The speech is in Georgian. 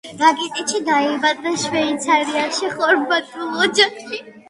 რაკიტიჩი დაიბადა შვეიცარიაში, ხორვატულ ოჯახში.